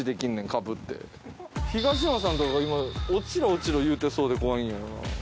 東野さんとかが今落ちろ落ちろ言うてそうで怖いんよな。